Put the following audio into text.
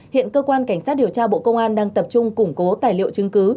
hiện cơ quan cảnh sát điều tra bộ công an đang tập trung củng cố tài liệu chứng cứ